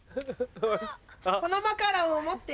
このマカロンを持って。